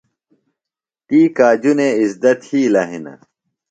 تی کاجُنے اِزدہ تِھیلہ ہِنہ۔